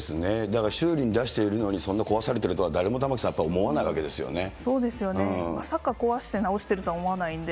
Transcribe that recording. だから、修理に出しているのに、そんな壊されてるとは、誰も玉城さん、思わないわけそうですよね、まさか壊して直しているとは思わないんで。